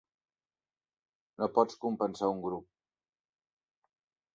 No pots compensar un grup.